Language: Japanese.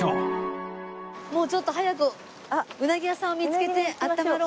もうちょっと早くうなぎ屋さんを見つけて温まろう。